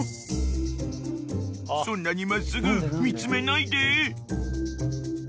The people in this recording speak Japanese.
［そんなに真っすぐ見つめないで］